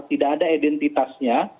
tidak ada identitasnya